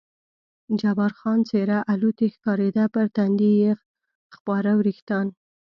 جبار خان څېره الوتی ښکارېده، پر تندي یې خپاره وریښتان.